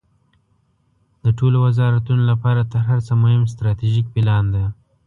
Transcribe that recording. د ټولو وزارتونو لپاره تر هر څه مهم استراتیژیک پلان ده.